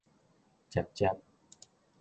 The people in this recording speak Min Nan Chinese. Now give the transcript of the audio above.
捷捷